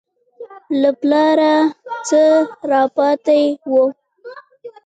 له پلاره څه راپاته وو.